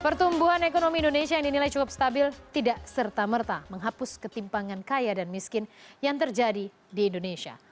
pertumbuhan ekonomi indonesia yang dinilai cukup stabil tidak serta merta menghapus ketimpangan kaya dan miskin yang terjadi di indonesia